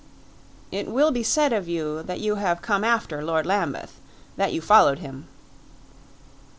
"It will be said of you that you have come after Lord Lambeth that you followed him."